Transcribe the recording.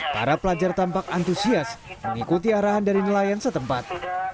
para pelajar tampak antusias mengikuti arahan dari nelayan setempat